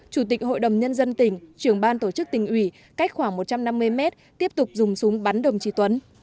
chủ tịch hội đồng nhân dân tỉnh trưởng ban tổ chức tỉnh ủy cách khoảng một trăm năm mươi mét tiếp tục dùng súng bắn đồng chí tuấn